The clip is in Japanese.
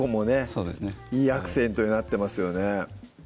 そうですねいいアクセントになってますよね